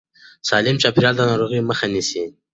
سالم چاپېريال د ناروغیو مخه نیسي.